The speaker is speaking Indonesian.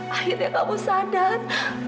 akhirnya kamu sadar